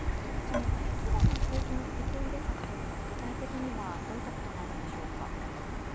その大規模な景気のてこ入れ策というのは具体的にはどういったことがあるんでしょうか。